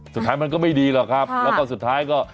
สุดท้ายมันก็ไม่ดีหรอกครับแล้วก็สุดท้ายก็